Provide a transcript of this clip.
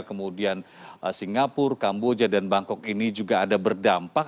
kemudian singapura kamboja dan bangkok ini juga ada berdampak